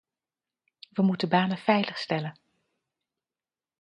We moeten banen veilig stellen.